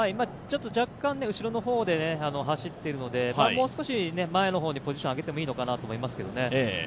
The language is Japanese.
ちょっと若干、後ろの方で走っているので、もう少し前の方にポジションを上けでもいいのかなと思いますけどね。